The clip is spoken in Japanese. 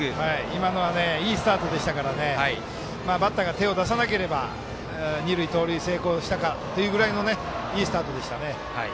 今のはいいスタートでしたからバッターが手を出さなければ二塁盗塁、成功したかといういいスタートでしたね。